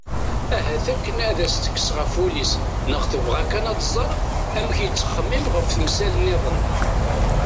Ahat akken ad as-tekkes ɣef wul-is neɣ tebɣa kan ad tẓer amek yettxemmim ɣef temsal-nniḍen.